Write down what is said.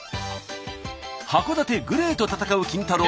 函館ＧＬＡＹと戦うキンタロー。